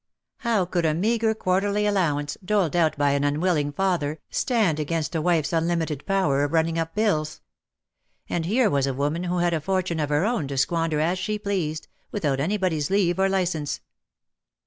How could a meagre quarterly allowance, doled out b}^ an unwilling father, stand against a wife's unlimited power of running up bills. And here was a woman who had a fortune of her own to squander as she pleased, without anybody's leave or license.